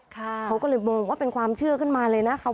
เขาก็เลยมองว่าเป็นความเชื่อขึ้นมาเลยนะคะ